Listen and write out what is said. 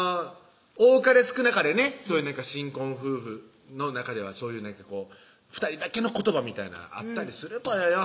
多かれ少なかれね新婚夫婦の中ではそういうなんかこう２人だけの言葉みたいなんあったりするぽよよ